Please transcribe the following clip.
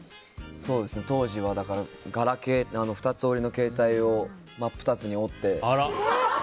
当時は、２つ折りの携帯を真っ二つに折って。